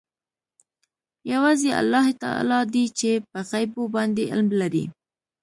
یوازې الله تعلی دی چې په غیبو باندې علم لري.